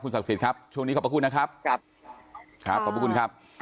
ศักดิ์สิทธิ์ครับช่วงนี้ขอบพระคุณนะครับครับขอบคุณครับ